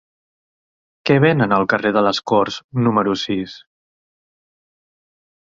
Què venen al carrer de les Corts número sis?